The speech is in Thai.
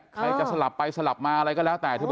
ใครจะสลับไปสลับมาอะไรก็แล้วแต่